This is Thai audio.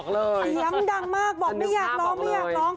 เสียงดังมากบอกไม่อยากร้อง